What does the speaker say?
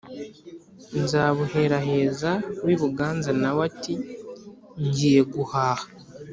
Nzabuheraheza w’i Buganza na we ati: “Ngiye guhaha